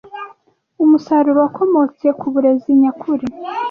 umusaruro wakomotse ku burezi nyakuri